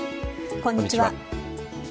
こんにちは。